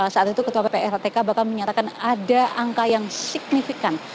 saat itu ketua pprtk bahkan menyatakan ada angka yang signifikan